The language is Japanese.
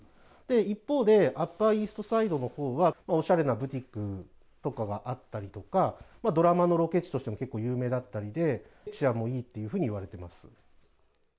一方で、アッパーイーストサイドのほうは、おしゃれなブティックとかがあったりとか、ドラマのロケ地としても結構有名だったりで、治安もいいっていうふうにいわれています。